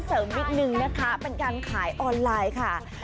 เสริมนิดนึงนะคะเป็นการขายออนไลน์ค่ะ